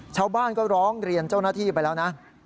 ชาวบ้านก็ร้องเรียนเจ้าหน้าที่ไปแล้วนะ